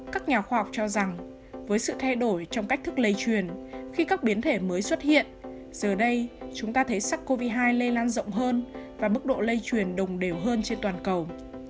các nhà khoa học cho rằng với sự thay đổi trong cách thức lây truyền khi các biến thể mới xuất hiện giờ đây chúng ta thấy sars cov hai lây lan rộng hơn và mức độ lây truyền đồng đều hơn trên toàn cầu